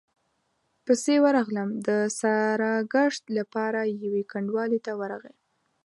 پسې ورغلم، د ساراګشت له پاره يوې کنډوالې ته ورغی،